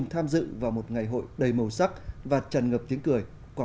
thấy đẹp quá